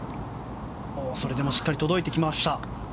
それでもしっかり届いてきました。